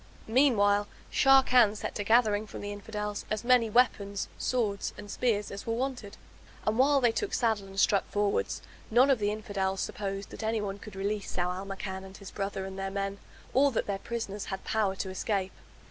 Meanwhile Sharrkan set to gathering from the Infidels as many weapons, swords, and spears, as were wanted. And while they took saddle and struck forwards none of the Infidels supposed that anyone could release Zau al Makan and his brother and their men; or that their prisoners had power to escape.